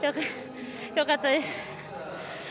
よかったです。